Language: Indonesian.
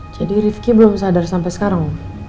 jadi rifqi belum sadar sampe sekarang